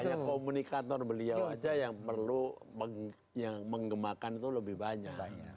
hanya komunikator beliau aja yang perlu yang menggemakan itu lebih banyak